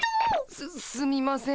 すすみません。